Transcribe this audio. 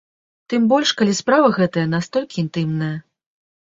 Тым больш, калі справа гэтая настолькі інтымная.